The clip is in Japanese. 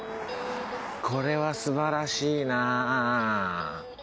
これは素晴らしいな。